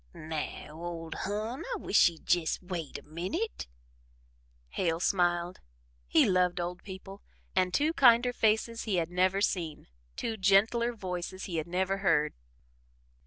"Now, ole Hon, I wish ye'd jes' wait a minute." Hale smiled. He loved old people, and two kinder faces he had never seen two gentler voices he had never heard.